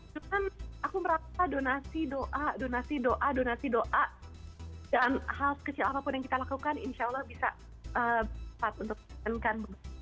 cuman aku merasa donasi doa donasi doa donasi doa dan hal sekecil apapun yang kita lakukan insya allah bisa menekankan